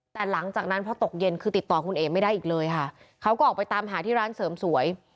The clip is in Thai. แต่หลังจากนั้นพอตกเย็นคือติดต่อคุณเอ๋ไม่ได้อีกเลยค่ะเขาก็ออกไปตามหาที่ร้านเสริมสวย